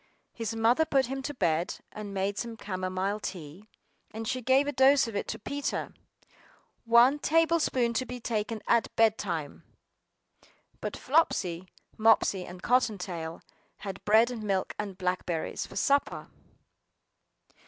His mother put him to bed, and made some camomile tea; and she gave a dose of it to Peter! "One table spoonful to be taken at bed time." BUT Flopsy, Mopsy, and Cotton tail had bread and milk and blackberries, for supper.